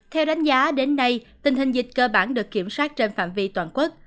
theo đánh giá đến nay tình hình dịch cơ bản được kiểm soát trên phạm vi toàn quốc